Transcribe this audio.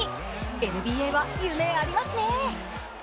ＮＢＡは夢がありますね。